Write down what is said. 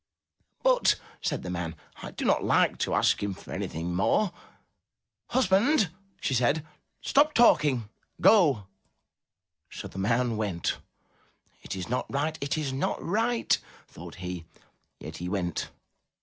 *' "But, said the man, "I do not like to ask him for anything more. "Husband, she said, "stop talking! Go!'* So the man went. "It is not right! It is not right!'* thought he, yet he went.